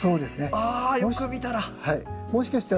あよく見たら。